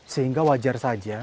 sehingga wajar saja